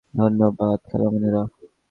ধন্যবাদ, খালামণিরা।